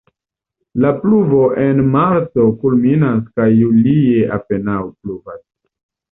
La pluvo en marto kulminas kaj julie apenaŭ pluvas.